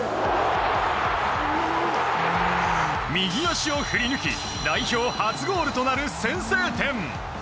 右足を振り抜き代表初ゴールとなる先制点！